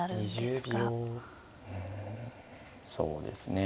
うんそうですね